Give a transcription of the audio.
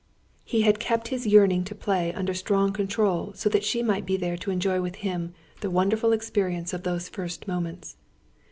He had kept his yearning to play, under strong control, so that she might be there to enjoy with him the wonderful experience of those first moments.